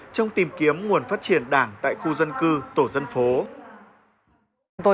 trong tìm kiếm nguồn phát triển đảng tại khu dân cư tổ dân phố